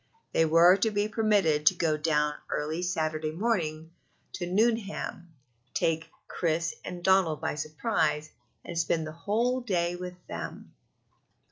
They were to be permitted to go down early Saturday morning to Nuneham, take Chris and Donald by surprise, and spend the whole day with them.